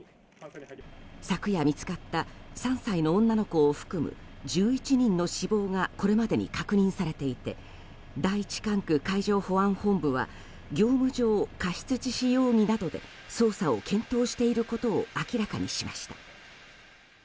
昨夜、見つかった３歳の女の子を含む１１人の死亡がこれまでに確認されていて第１管区海上保安本部は業務上過失致死容疑などで捜査を検討していることを明らかにしました。